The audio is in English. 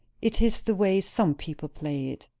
"It is the way some people play it.